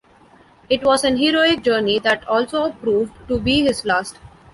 It was an heroic journey that also proved to be his last.